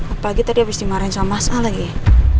apalagi tadi abis dimarahin sama mas al lagi ya